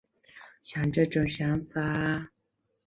这种想法推广到任何光滑映射。